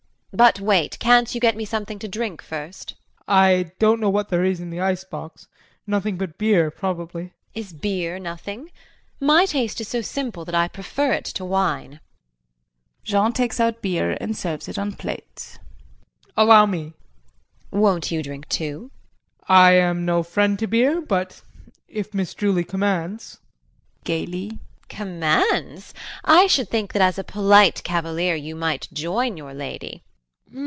But wait can't you get me something to drink first? JEAN. I don't know what there is in the icebox. Nothing but beer, probably. JULIE. Is beer nothing? My taste is so simple that I prefer it to wine. [Jean takes out beer and serves it on plate.] JEAN. Allow me. JULIE. Won't you drink too? JEAN. I am no friend to beer but if Miss Julie commands. JULIE [Gaily]. Commands! I should think as a polite cavalier you might join your lady.